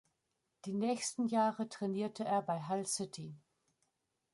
Die nächsten Jahre trainierte er bei Hull City.